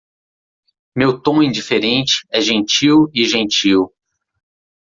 Meu tom indiferente é gentil e gentil.